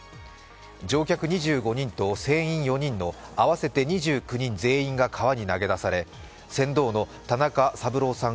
乗客２５人と船員４人の合わせて２９人が全員川に投げ出され、船頭の田中三郎さん